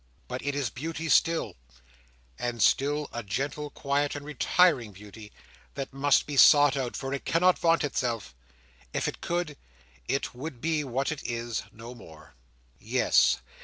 But it is beauty still; and still a gentle, quiet, and retiring beauty that must be sought out, for it cannot vaunt itself; if it could, it would be what it is, no more. Yes.